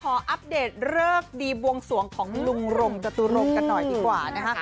อัปเดตเลิกดีบวงสวงของลุงรงจตุรงค์กันหน่อยดีกว่านะคะ